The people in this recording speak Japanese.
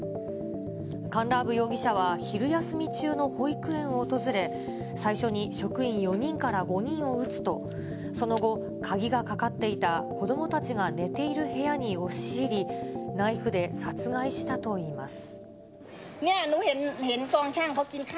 カンラーブ容疑者は昼休み中の保育園を訪れ、最初に職員４人から５人を撃つと、その後、鍵がかかっていた子どもたちが寝ている部屋に押し入り、ナイフで殺害したといいます。